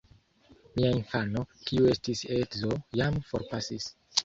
Mia infano, kiu estis edzo, jam forpasis.